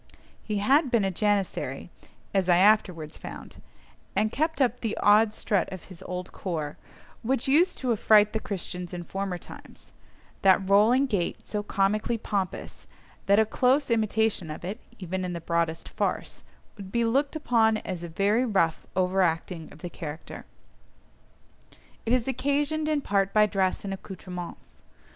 He had been a Janissary (as I afterwards found), and kept up the odd strut of his old corps, which used to affright the Christians in former times—that rolling gait so comically pompous, that a close imitation of it, even in the broadest farce, would be looked upon as a very rough over acting of the character. It is occasioned in part by dress and accoutrements.